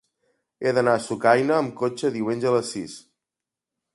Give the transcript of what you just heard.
He d'anar a Sucaina amb cotxe diumenge a les sis.